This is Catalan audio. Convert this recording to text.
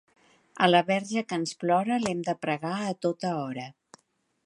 A la Verge que ens plora l'hem de pregar a tota hora.